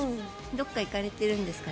どこか行かれてるんですかね。